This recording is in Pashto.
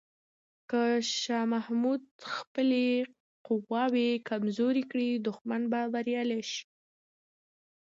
که شاه محمود خپلې قواوې کمزوري کړي، دښمن به بریالی شي.